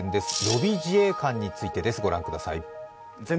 予備自衛官についてです、ご覧ください。